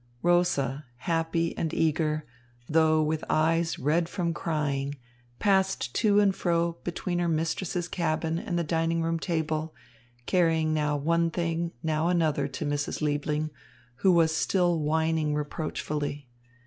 Rosa, happy and eager, though with eyes red from crying, passed to and fro between her mistress's cabin and the dining room table, carrying now one thing, now another, to Mrs. Liebling, who was still whining reproachfully.